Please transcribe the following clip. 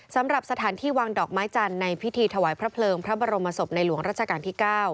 สำหรับสถานที่วางดอกไม้จันทร์ในพิธีถวายพระเพลิงพระบรมศพในหลวงราชการที่๙